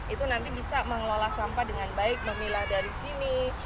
itu nanti bisa mengelola sampah dengan baik memilah dari sini